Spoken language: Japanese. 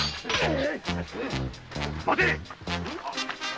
・待て！